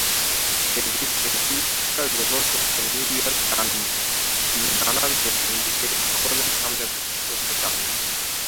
Davies এই পুরস্কার গ্রহণ করতে নিউ ইয়র্ক যাননি, তিনি জানান যে তিনি নিজেকে সকলের সামনে প্রকাশ করতে চান না।